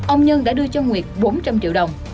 ông nhân đã đưa cho nguyệt bốn trăm linh triệu đồng